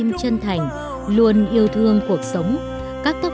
nó trào dâng cảm xúc rơi khả nước mắt